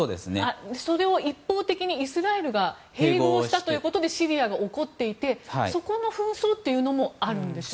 それを一方的にイスラエルが併合したということでシリアが怒っていてそこの紛争というのもあるんでしょうか。